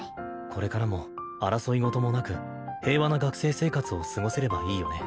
これからも争い事もなく平和な学生生活を過ごせればいいよね。